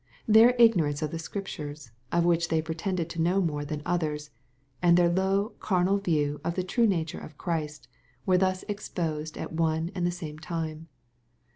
Their ignorance of the Scriptures, of which they pretended to know more than others, and their low, carnal view of the true nature of Christ, were thus exposed at one and the same time.